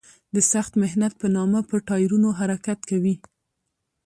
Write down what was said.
د سخت محنت په نامه په ټایرونو حرکت کوي.